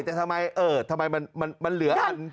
แต่ทำไมมันเหลืออัน